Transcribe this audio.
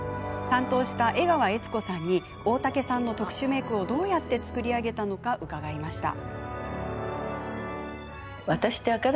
担当した江川悦子さんに大竹さんの特殊メークをどうやって作り上げたのか伺いました。